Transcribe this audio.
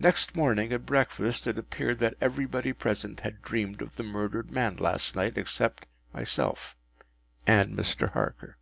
Next morning at breakfast, it appeared that everybody present had dreamed of the murdered man last night, except myself and Mr. Harker.